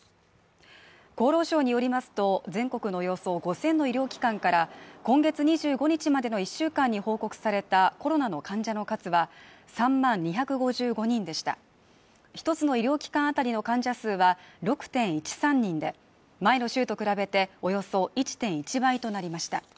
厚労省によりますと、全国のおよそ５０００の医療機関から今月２５日までの１週間に報告されたコロナの患者の数は３万２５５人でした一つの医療機関当たりの患者数は６．１３人で、前の週と比べておよそ１．１倍となりました。